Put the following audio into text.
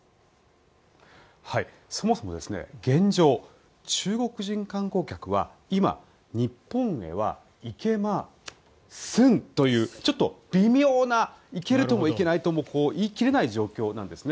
そもそも現状中国人観光客は今、日本へは行けますんというちょっと微妙な行けるとも行けないとも言い切れない状況なんです。